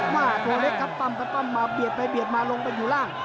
ว่าตัวเล็กครับปั้มมาเบียดไปมาลงไปอยู่ล่าง